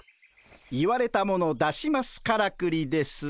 「言われたもの出しますからくり」です。